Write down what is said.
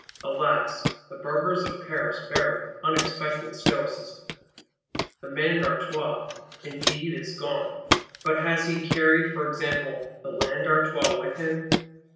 Alas, the Burghers of Paris bear it with unexpected Stoicism! The Man d'Artois indeed is gone; but has he carried, for example, the Land D'Artois with him?